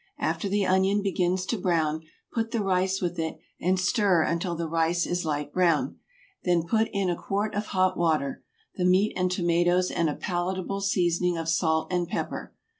After the onion begins to brown put the rice with it and stir until the rice is light brown; then put in a quart of hot water, the meat and tomatoes and a palatable seasoning of salt and pepper.